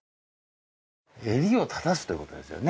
襟を正すということですよね